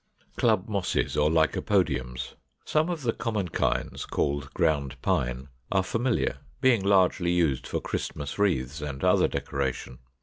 492. =Club Mosses or Lycopodiums.= Some of the common kinds, called Ground Pine, are familiar, being largely used for Christmas wreaths and other decoration.